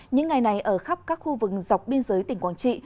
những ngày này ở khắp các khu vực dọc biên giới tỉnh quảng trị